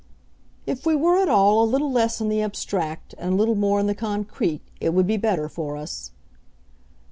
"If we were all a little less in the abstract, and a little more in the concrete, it would be better for us."